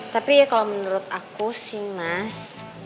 tapi ya kalau menurut aku sih mas